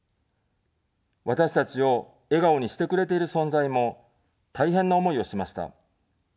私たちを笑顔にしてくれている存在も大変な思いをしました。